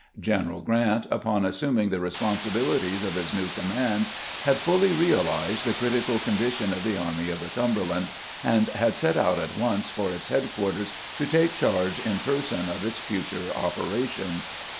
General Q rant, upon assuming the responsibilities of his new command, had fully realized the critical condi tion of the Army of the Cumberland, and had set out at once for its headquarters to take charge in person of its future operations.